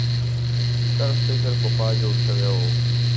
طرز فکر پخوا جوړ شوي وو.